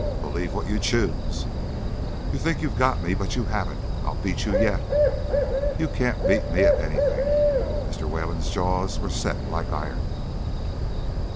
"Believe what you choose." "You think you've got me, but you haven't. I'll beat you yet." "You can't beat me at anything." Mr. Wayland's jaws were set like iron.